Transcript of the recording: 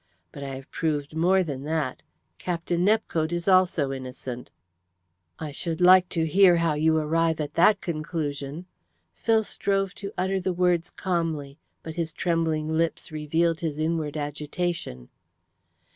But I have proved more than that. Captain Nepcote is also innocent." "I should like to hear how you arrive at that conclusion." Phil strove to utter the words calmly, but his trembling lips revealed his inward agitation.